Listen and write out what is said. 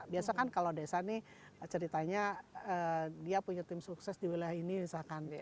biasa kan kalau desa nih ceritanya dia punya tim sukses di wilayah ini misalkan